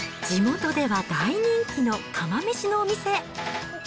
地元では大人気の釜飯のお店。